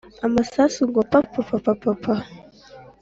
amasasu ngo papapapa